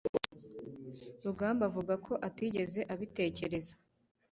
rugamba avuga ko atigeze abitekereza.